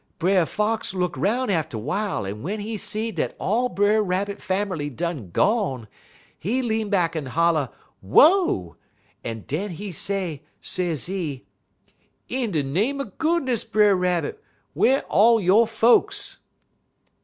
"Brer Fox look 'roun' atter w'ile, un w'en he see dat all Brer Rabbit fammerly done gone, he lean back un holler 'Wo!' un den he say, sezee: "'In de name er goodness, Brer Rabbit! whar all yo' folks?'